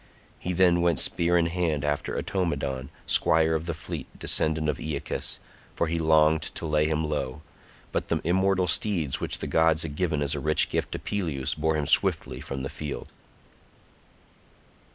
He then went spear in hand after Automedon, squire of the fleet descendant of Aeacus, for he longed to lay him low, but the immortal steeds which the gods had given as a rich gift to Peleus bore him swiftly from the field.